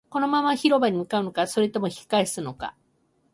このまま広場に向かうのか、それとも引き返すのか